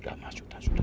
sudah sudah sudah